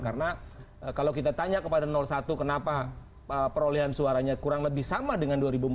karena kalau kita tanya kepada satu kenapa perolehan suaranya kurang lebih sama dengan dua ribu empat belas